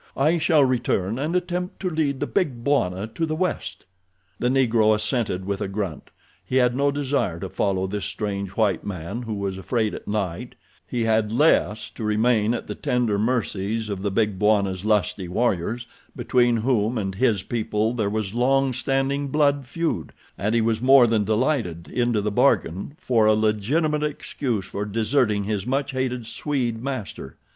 "I shall return and attempt to lead the Big Bwana to the west." The Negro assented with a grunt. He had no desire to follow this strange white man who was afraid at night; he had less to remain at the tender mercies of the Big Bwana's lusty warriors, between whom and his people there was long standing blood feud; and he was more than delighted, into the bargain, for a legitimate excuse for deserting his much hated Swede master.